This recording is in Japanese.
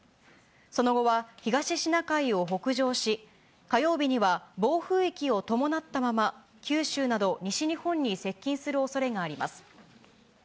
その後は、東シナ海を北上し、火曜日には、暴風域を伴ったまま、九州など西日本に接近するおそれがあります。